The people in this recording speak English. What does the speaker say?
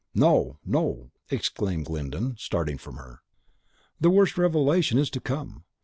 "No, no!" exclaimed Glyndon, starting from her. "The worst revelation is to come.